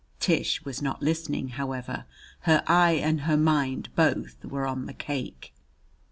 Tish was not listening, however. Her eye and her mind both were on the cake.